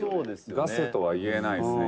「ガセとは言えないですね